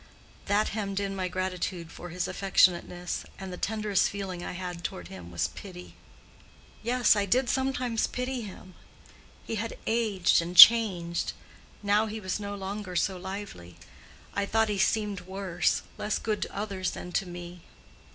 That hemmed in my gratitude for his affectionateness, and the tenderest feeling I had toward him was pity. Yes, I did sometimes pity him. He had aged and changed. Now he was no longer so lively. I thought he seemed worse—less good to others than to me.